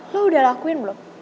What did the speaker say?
lo udah lakuin belum